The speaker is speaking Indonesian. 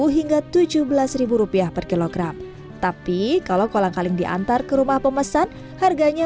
lima belas ribu hingga tujuh belas ribu rupiah per kilogram tapi kalau kolang kaling diantar ke rumah pemesan harganya